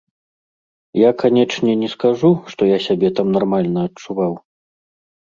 Я, канечне, не скажу, што я сябе там нармальна адчуваў.